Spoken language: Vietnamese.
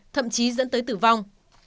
thậm chí dẫn tới tử vong